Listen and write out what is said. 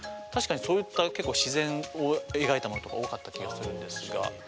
確かにそういった結構自然を描いたものとか多かった気がするんですが。